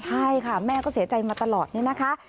ใช่ค่ะแม่ก็เสียใจมาตลอดนี่นะคะ